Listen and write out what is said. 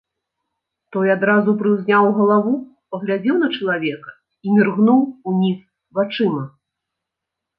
Той адразу прыўзняў галаву, паглядзеў на чалавека і міргнуў уніз вачыма.